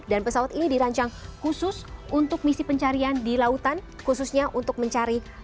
dan pesawat ini dirancang khusus untuk misi pencarian di lautan khususnya untuk mencari pesawat